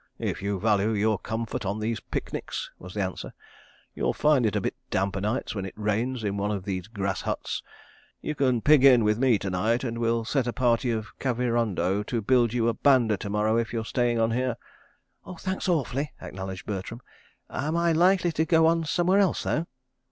"If you value your comfort on these picnics," was the answer. "You'll find it a bit damp o' nights when it rains, in one of these grass huts. ... You can pig in with me to night, and we'll set a party of Kavirondo to build you a banda to morrow if you're staying on here." "Thanks awfully," acknowledged Bertram. "Am I likely to go on somewhere else, though?"